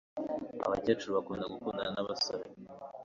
Abakecuru bakunda gukundana nabasore